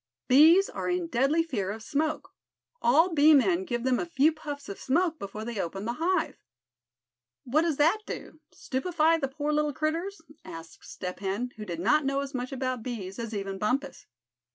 Bees are in deadly fear of smoke. All bee men give them a few puffs of smoke before they open the hive." "What does that do, stupefy the poor little critters?" asked Step Hen, who did not know as much about bees as even Bumpus.